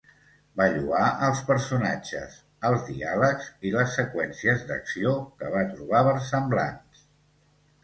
Va lloar els personatges, els diàlegs i les seqüències d'acció que va trobar versemblants.